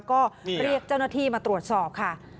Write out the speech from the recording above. ก็เรียกเจ้าหน้าที่มาตรวจสอบค่ะ